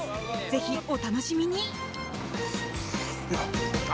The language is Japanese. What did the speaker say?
ぜひお楽しみに！